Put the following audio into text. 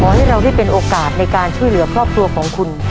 ให้เราได้เป็นโอกาสในการช่วยเหลือครอบครัวของคุณ